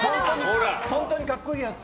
本当に格好いいやつだ。